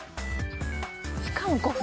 しかも５分ええ